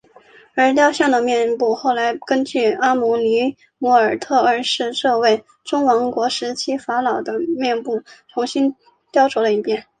而雕像的面部后来根据阿蒙涅姆赫特二世这位中王国时期法老的面部重新雕琢了一遍。